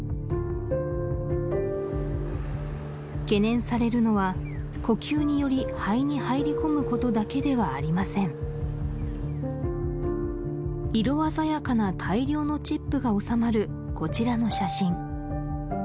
懸念されるのは呼吸により肺に入り込むことだけではありません色鮮やかな大量のチップがおさまるこちらの写真